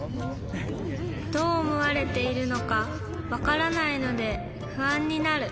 どうおもわれているのかわからないのでふあんになる。